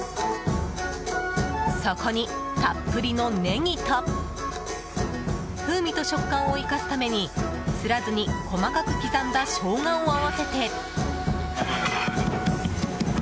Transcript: そこに、たっぷりのネギと風味と食感を生かすためにすらずに細かく刻んだショウガを合わせて。